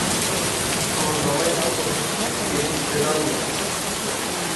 ڕۆژنامەی ئەمڕۆ هیچ شتێکی گرنگی تێدا نییە.